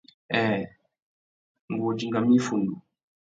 Nhêê... ngu wô dingamú iffundu.